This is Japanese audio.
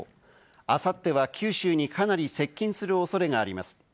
あさっては九州にかなり接近する恐れがあります。